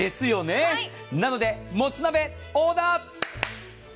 なので、もつ鍋、オーダー！